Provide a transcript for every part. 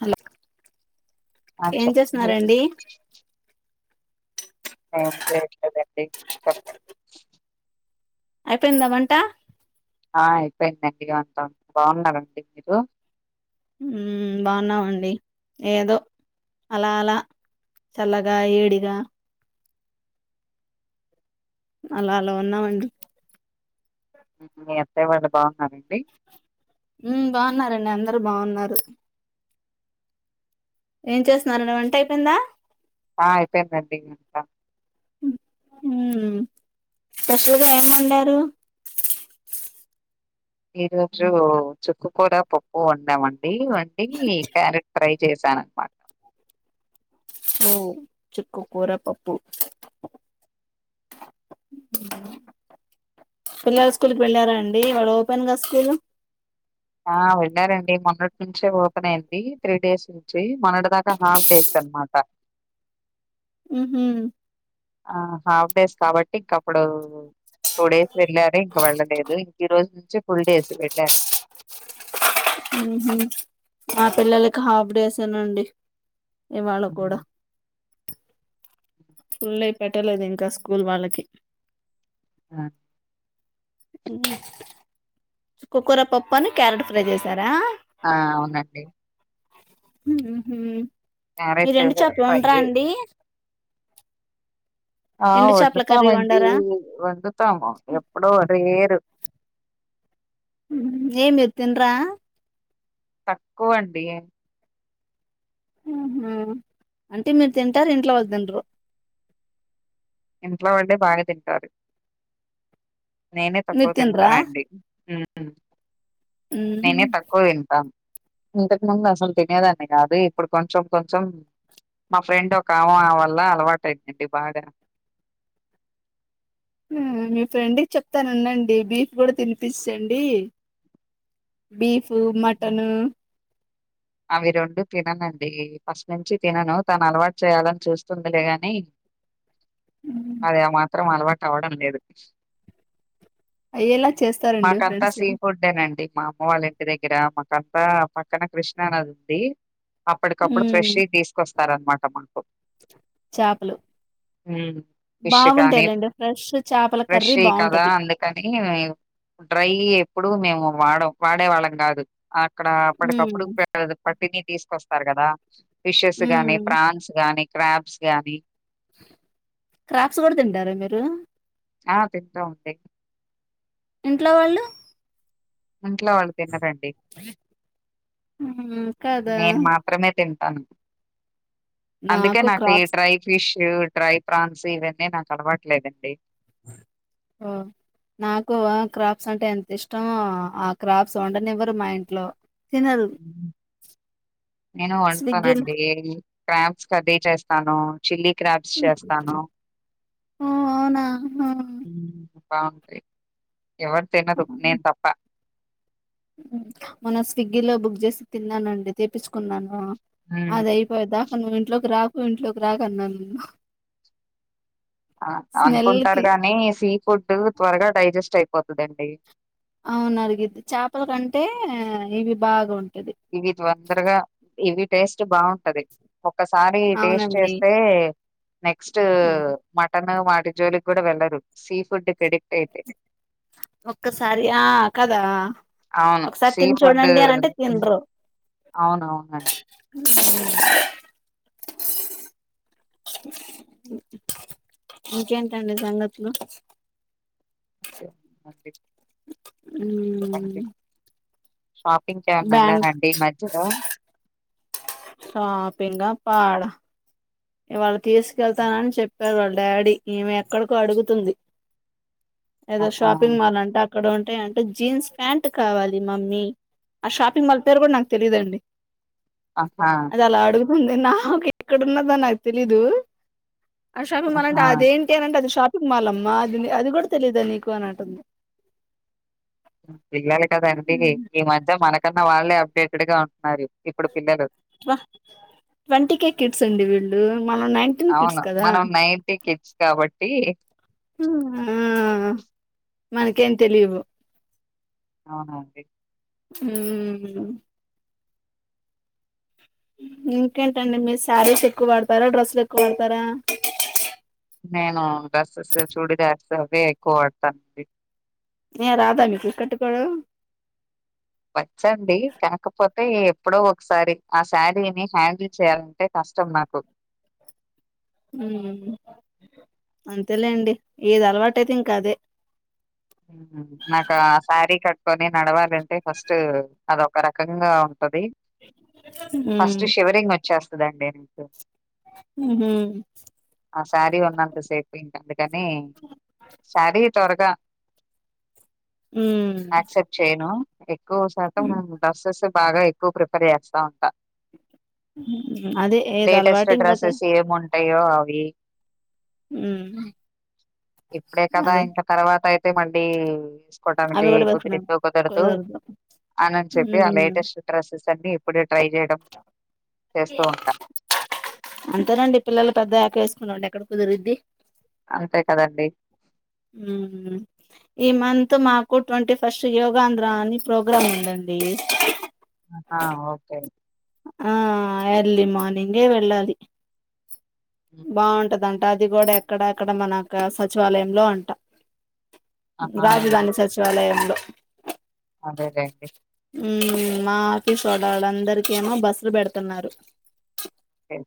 Hello ఆ ఏం చెప్పండి చేస్తున్నారంండి ఏం చేయట్లేదండి చెప్పండి అయిపోయిందా వంట ఆ అయిపోయిందండి అంత బాగున్నారండి మీరు ఉమ్మ్ బాగున్నామండి ఏదో అలా అలా చల్లగా ఏడిగా అలా అలా ఉన్నమండి మీ అత్తయ్య వాళ్ళు బాగున్నారంండి ఉమ్మ్ బాగున్నారండి అందరు బాగున్నారు ఏం చేస్తున్నారండి వంట అయిపోయిందా ఆ అయిపోయిందండి అంతా మ్మ్ స్పెషల్గా ఏం వండారు ఈరోజు చుక్కుకూర పప్పు వండమండి వండి క్యారెట్ ప్రై చేసాను అనమాట ఓ చుక్కకూర పప్పు ఉనా పిల్లలు స్కూల్ కి వెళ్ళారా అండి ఇవాళ ఓపెన్ కదా స్కూల్ ఆ వెళ్ళరండి మా మొన్నటి నుంచే ఓపెన్ అయింది త్రీ డేస్ నుంచి మొన్నటి దాకా హాఫ్ డేస్ అనమాట ఉహు ఆ హాఫ్ డేస్ కాబట్టి ఇంకా అప్పుడు టూ డేస్ వెళ్ళారు ఇంకా వెళ్ళలేదు ఇంకా ఈ రోజు నుంచి ఫుల్ డేస్ వెళ్ళారు ఉహు మా పిల్లలకి హాఫ్ డేస్ ఏ నాండి ఇవాళ కూడా హ్మ్. ఫుల్ గా పెట్టలేదు ఇంకా స్కూల్ వాళ్ళకి ఆ మ్మ్ చుక్కకూర పప్పు అని క్యారెట్ ఫ్రై చేసారా ఆ అవునండి ఉహు మీరు క్యారెట్ ఎండు చాపలు ఫ్రై వండార అండి ఆ ఎండు చేపల కర్రీ వండుతామండి వండరా వండుతాము ఎప్పుడో రేరు ఏమ్ మీరు తినరా తక్కువ అండి ఆహ అంటే మీరు తింటారు ఇంట్లో వాళ్ళు తినారు ఇంట్లో వాళ్ళే బాగా తింటారు నేనే తక్కువ మీరు తినరా తింటానండి నేనే ఉమ్ తక్కువ తింటాన్ ఇంతకు ముందు అసలు తినేదాన్ని కాదు ఇప్పుడు కొంచెం కొంచెం మా ఫ్రెండ్ ఒక ఆమె వల్ల అలవాటు అయిపొయింది బాగా మీ ఫ్రెండ్కి చెప్తాను ఉండండి బీఫ్ కూడా తినిపించండి బీఫు మటన్ అవి రెండు తిననండి ఫస్ట్ నుంచి తినను తను అలవాటు చేయాలని చూస్తుందిలే అని అది మాత్రం అలవాటు అవ్వడం లేదు అయ్యేలా చేస్తారండి మాకంతా ఫ్రెండ్స్ సీ ఫుడ్డెనండి మా అమ్మ వాళ్ళ ఇంటి దగ్గర మాకంతా పక్కన కృష్ణ నది ఉంది అప్పటికప్పుడు ఫ్రెష్ వి తీసుకొస్తారు అనమాట మాకు చాపలు ఫిష్ కానీ ఫ్రెష్ చేపల ఫ్రెష్ కర్రీ వి కదా బాగుంటది అందుకని డ్రై ఎప్పుడు మేము వాడం వాడేవాళ్ళం కాదు అక్కడ ఉమ్ అప్పటికప్పుడు పట్టిని తీసుకొస్తారు కదా ఫిషెస్ ఉమ్ గాని ప్రాన్స్ గాని క్రాబ్స్ గాని క్రాప్స్ కూడా తింటార మీరు ఆ తింటాం అండి ఇంట్లో వాళ్ళు ఇంట్లో వాళ్ళు తినారండి ఉమ్ కదా నేను మాత్రమే తింటాను అందుకే నాకు ఈ డ్రై ఫిష్ డ్రై ప్రాన్స్ ఇవన్నీ నాకు అలవట్లేదండి ఆ నాకు ఆ క్రాప్స్ అంటే ఎంత ఇష్టమో ఆ క్రాప్స్ వండనివ్వరు మా ఇంట్లో తినరు నేను స్విగ్గీలో వండుతానండి ఏ క్రాబ్స్ కర్రీ చేస్తాను చిల్లీ క్రాప్స్ చేస్తాను ఓ అవునా ఆ బాగుంటాయి ఎవరు తినరు నేను తప్ప మన్న స్విగ్గిలో బుక్ చేసి తిన్నానండి తీప్పించుకున్నాను హ్మ్. అద అయిపోయ దాకా నువ్వు ఇంట్లోకి రాకు ఇంట్లోకి రాక అన్నాను స్మెల్ అనుకుంటారు కి గాని సీ ఫుడ్ త్వరగా డైజెస్ట్ అయిపోతుందండి అవునరిగిద్ది చాపల కంటే ఇవి బాగా ఉంటాది ఇవి తొందరగా ఇవి టేస్ట్ బాగుంటది ఒక్కసారి టేస్ట్ అవునండి చేస్తే నెక్స్ట్ హ్మ్. మటన్ వాటి జోలికి కూడా వెళ్లరు సీ ఫుడ్ కి అడిక్ట్ అయితే ఒక్కసారి ఆ కదా ఒకసారి తిని చూడండి అని అంటే తిన్రు అవునవునండి ఇంకేంటండి సంగతులు అ అ ఉ షాపింగ్ కి ఎమన్నా ఎల్లారండీ మధ్యలో షాపింగా పాడ ఇవాళ్ళ తీసుకెళ్తానని చెప్పి వాళ్ళ డాడీ కి ఈమె ఎక్కడికో అడుగుతుంది ఏదో ఆహా షాపింగ్ మాల్ అంటే అక్కడ ఉంటాయి అంట జీన్స్ ప్యాంట్ కావాలి మమ్మీ ఆ షాపింగ్ మాల్ పేరు కూడా నాకు తెలిదండి ఆహా ముందే నావ ఎక్కడన్నదా నాకు తెలిదు ఆ షాపింగ్ అ అంటే ఆహా అదేంటి అంటేది షపింగ్ కుమాలమ్మా అది అది కూడా తెలిద నీకు అని అంటంది పిల్లలు కద అండి ఈ మధ్య మనకన్నా వాళ్ళే అప్డేటెడ్ గా ఉ మరి ఇప్పుడు పిల్లలు అబ్బా ట్వంటీ కే కిట్స్ అండి వీళ్ళు మనం నైన్టీన్ కిట్స్ అవును కదా మనం నైన్టీ కిడ్స్ కాబట్టి ఆ మనకేం తెలివు అవునండి హ ఇంకేంటండి మీరు శారీస్ ఎక్కువ వాడతారా డ్రెస్సులు ఎక్కువ వాడతారా నేను డ్రెస్సెస్ చుడిదర్స్ అవే ఎక్కువ వాడతానండి ఏ రాదా మీకు కట్టుకోవడం అంటే ఎప్పుడో ఒకసారి ఆ శారీని హ్యాండిల్ చేయాలంటే కష్టం నాకు అంతేలేండి ఏది అలవాటైతే ఇంకా అదే కొని నడవాలంటే ఫస్ట్ అదొక రకంగా ఉ ది ఫస్ట్ ఉమ్ శివరింగ్ వచ్చేస్తాడండి మ్ ఆ శారీ ఉన్నంత సేపు ఇంకా అందుకని శారీ త్వరగా ఉమ్ యాక్సెప్ట్ చేయను ఎక్కువ శాతం ఉమ్ డ్రస్సేస్ బాగా ఎక్కువ ప్రిఫర్ చేస్తా ఉంటా ఉమ్, అదే ఏది అలవాటు లేటెస్ట్ ఇంక అదే డ్రస్సెస్ ఏమి ఉంటాయో అవి ఉమ్ ఇప్పుడే కదా అదే ఇంకా తర్వాత అయితే మళ్ళీ తీసుకోడానికి అవి కూడా వేసుకున్నాను కుదిరిదో కుదరదు అనని చెప్పి ఆ ఉమ్ లేటెస్ట్ డ్రస్సెస్ సన్నీ ఇప్పుడే ట్రై చేయడం చేస్తూ ఉంటా అంతేనండి పిల్లలు పెద్దయ్యక ఎసుకున్నామండి ఎక్కడ కుదురిద్ది అంతే కదండి మ్ హు ఈ మంత్ మాకు ట్వంటీ ఫస్ట్ యోగాంధ్ర అని ప్రోగ్రాం ఉందండి అ ఓకే అండి ఆ ఎర్లీ మార్నింగే వెళ్ళాలి హ్మ్. బాగుంటదంట అది కూడా ఎక్కడ అక్కడ మన క్ సచివాలయంలో అంట ఆహా రాజధాని సచివాలయంలో అదే చేయండి మ్ మా ఆఫీస్ వడ ఆడు అందరికేమో బస్లు పెడుతున్నారు అహ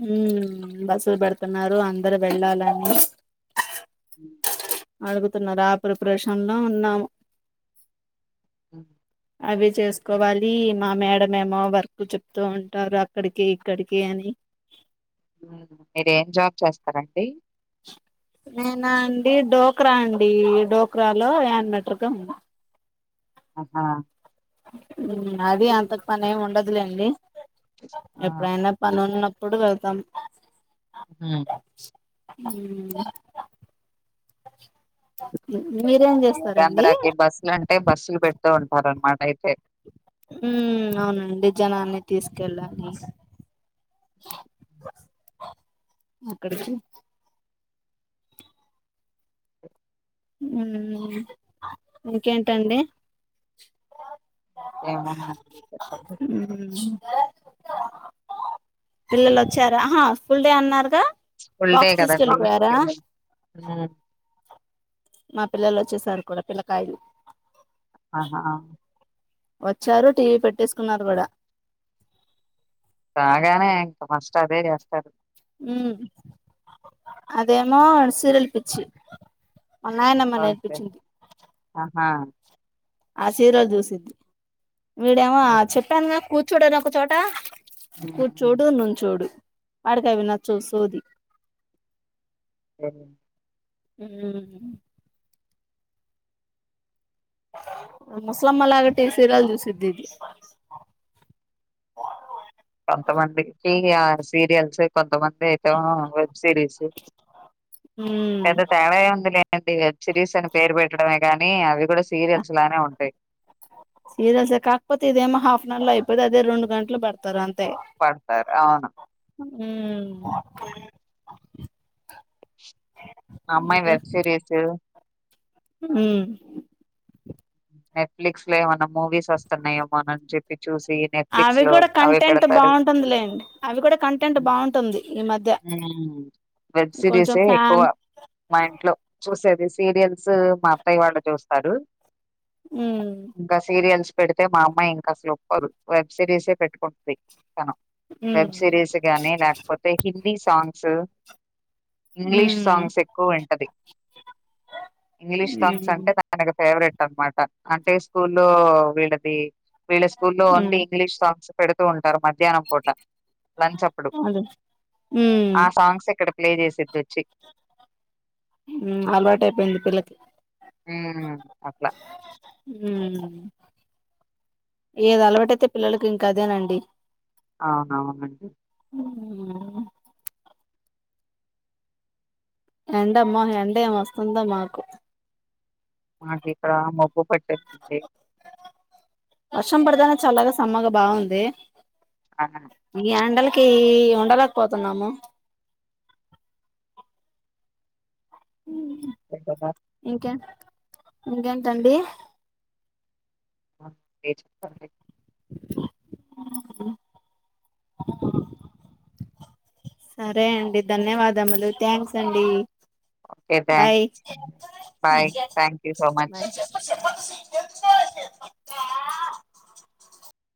మ్ బస్సులు పెడుతున్నారు అందరు వెళ్ళాలని హ అడుగుతున్నార ఆ ప్రిపరేషన్ లో ఉన్నాము హ్మ్. అవి చేసుకోవాలి మా మేడమోమొ వర్క్ చెప్తూ ఉంటారు అక్కడికి ఇక్కడికి అని మీరు ఏం జాబ్ చేస్తారండి నేనా అండి ఢోక్రా అండి ఢోక్రాలో యాన్బటర్గా ఉన్న హాహ అది అంత పని ఎం ఉండదులేండి ఆ ఎప్పుడైనా పని ఉన్నప్ ప్పుడు వెళ్తాం మ్ మ్ చేస్తారండి అంధ్రాకి బస్సులు అంటే బస్సులు పెడుతూ ఉంటారన్నమాట అయితే మ్ అవునండి జనాన్ని తీసుకెళ్ళాలి అక్కడికి మ్ ఇంకేంటండి ఏముందండి చెప్పండి. మ్ పిల్లలోచ్చారా ఆహా స్కూల్ డే అన్నారుగా ఫుల్ డే బాక్స్ కదండి తీసుకెళ్ళిపోయారా మ్ మా పిల్లలోచ్చేసారు కూడా పిల్లకాయలు ఆహా అ వచ్చారు టీవీ పెట్టేసుకున్నారు కూడా రాగానే ఇంకా ఫస్ట్ అదే చేస్తారు మ్ అదేమో సీరియల్ పిచ్చి మ నాయనమ్మా ఓకే. నేర్పించింది ఆహా! ఆ సీరియల్ చూసిద్ది వీడేమో ఓకే. చెప్పానుగా కూర్చోడని ఒక చోట హ్మ్. హ్మ్. కూర్చోడు నుంచోడు వాడికి అవి నచ్చవ్ సోది తెలీదు. మ్ ముసలమ్మ లాగ టి సీరియాల్ చూసిద్ధి ఇది కొంతమందికి ఆ సీరియల్స్ కొంతమం ఎటో వెబ్ సిరీస్ ఉమ్ పెద్ద తేడ ఏం ఉంది లే అడి వెబ్ సిరీస్ అని పేరు పెట్టడమే కాని అవి కూడా సీరియల్స్ లానే ఉంటాయి. సీరియల్సే కాకపోతే ఇదేమో హాఫ్ ఎన్ అవర్ లో అయిపోతాది అది రెండు గంటలు పెడతారు అంతే పడతారు అవునా ఉ అమ్మాయి వెబ్ సిరీస్ ఉ నెట్ ప్లెక్సీ లో ఏమన్నా మూవీస్ వస్తున్నాయ ఏమోననీ చెప్పి చూసి నెట్ఫ్లిక్స్ అవి లో కూడా అవే కంటెంట్ పెడతారు. బాగుంటుందిలేండి అవి కూడా కంటెంట్ హ్మ్ బాగుంటుంది ఈ మధ్య వెబ్ కొంచెం సిరీసే ఎక్కువ ఫ్యామ్ మా ఇంట్లో చూసేది సీరియల్స్ మా అత్తాయ్య వాళ్ళు చూస్తారు ఉమ్ ఇంకా సీరియల్స్ పెడితే మా అమ్మాయి ఇంకా అసలు ఒప్పుకోదు వెబ్ సిరీస్ పెట్టుకుంటుది ఉమ్ వెబ్ సిరీస్ గాని లేకపోతే హిందీ సాంగ్స్ ఇంగ్లీష్ ఉమ్ సాంగ్స్ ఎక్కువ వింటది ఇంగ్లీష్ సాంగ్స్ ఉమ్ అంటే తనకు ఫేవరెట్ అనమాట అంటే స్కూల్లో వీళ్ళది వీళ్ళ స్కూల్లో ఓన్లీ ఉమ్ ఇంగ్లీష్ సాంగ్స్ పెడుతూ ఉంటరు మధ్యాహ్నం పూట లంచ్ అప్పుడు అదే ఉమ్ ఆ సాంగ్స్ ఇక్కడ ప్లే చేసేది అలవాటు అయిపోయింది పిల్లకి ఉ అట్లా ఉమ్ ఏది అలవాటైతే పిల్లలకి ఇంకాఅదేనండి అవునుఆవునండి ఉ ఎండమ్మ ఎండ ఏం వస్తుంద మాకు మాకు ఇక్కడ మబ్బు పట్టందడి వర్షం పడదనే చల్లగా సమ్మర్ల బాగుంది ఆ! ఈ ఎండలకి ఉండలేకపోతున్నాము ఎటు పోతావ్ ఇంకే ఇంకేంటండి ఏ [unintelligible] ఉ హు సరే అండి ధన్యవాదములు థ్యాంక్స్ అండి okay thanks bye bye thank you so much పాటల సౌండ్